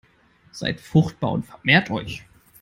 Seid fruchtbar und vermehrt euch!